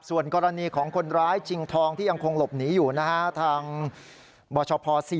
ส่วนกรณีของคนร้ายชิงทองที่ยังคงหลบหนีอยู่นะฮะทางบชพ๔